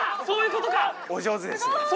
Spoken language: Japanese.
そういうことか！